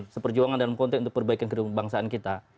seperjuangan dan konteks untuk perbaikan kehidupan bangsaan kita